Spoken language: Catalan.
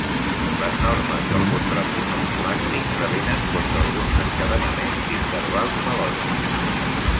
Les normes del contrapunt escolàstic prevenen contra alguns encadenaments d'intervals melòdics.